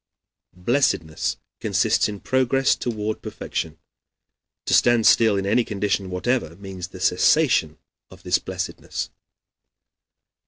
Blessedness consists in progress toward perfection; to stand still in any condition whatever means the cessation of this blessedness.